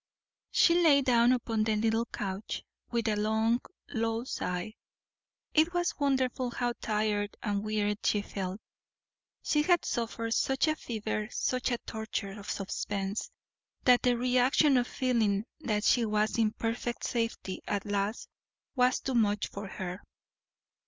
She lay down upon the little couch, with a long, low sigh. It was wonderful how tired and wearied she felt. She had suffered such a fever, such a torture of suspense, that the reaction of feeling that she was in perfect safety at last was too much for her.